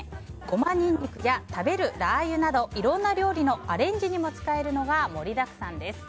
ごまにんにくや食べるラー油などいろんな料理のアレンジにも使えるものが盛りだくさんです。